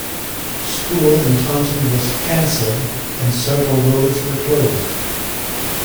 School in Taunton was cancelled, and several roads were closed.